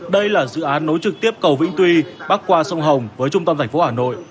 đây là dự án nối trực tiếp cầu vĩnh tuy bắc qua sông hồng với trung tâm thành phố hà nội